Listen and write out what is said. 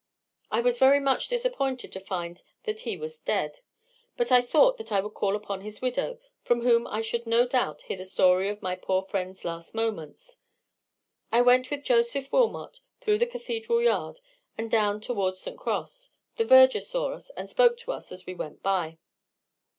I was very much disappointed to find that he was dead. But I thought that I would call upon his widow, from whom I should no doubt hear the history of my poor friend's last moments. I went with Joseph Wilmot through the cathedral yard, and down towards St. Cross. The verger saw us, and spoke to us as we went by."